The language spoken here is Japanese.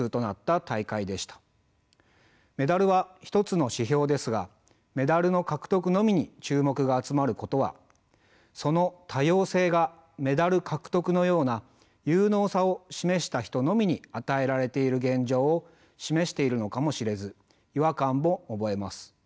メダルは一つの指標ですがメダルの獲得のみに注目が集まることはその多様性がメダル獲得のような有能さを示した人のみに与えられている現状を示しているのかもしれず違和感も覚えます。